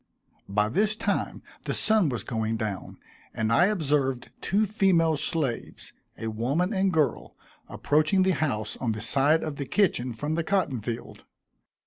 By this time the sun was going down, and I observed two female slaves, a woman and girl, approaching the house on the side of the kitchen from the cotton field.